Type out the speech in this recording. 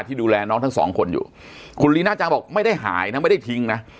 ดูแลน้องทั้งสองคนอยู่คุณลีน่าจังบอกไม่ได้หายนะไม่ได้ทิ้งนะ